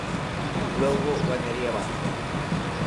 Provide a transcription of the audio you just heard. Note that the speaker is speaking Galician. Logo gañaría Vázquez.